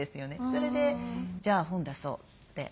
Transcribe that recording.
それでじゃあ本出そうって。